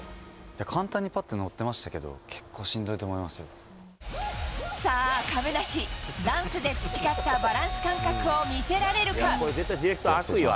簡単にぱっと乗ってましたけさあ、亀梨、ダンスで培ったバランス感覚を見せられるか。